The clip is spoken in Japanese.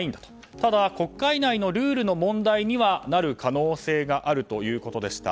ただ、国会内のルールの問題にはなる可能性があるということでした。